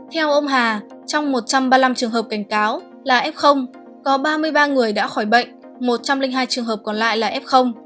theo ông hà trong một trăm ba mươi năm trường hợp cảnh cáo là f có ba mươi ba người đã khỏi bệnh một trăm linh hai trường hợp còn lại là f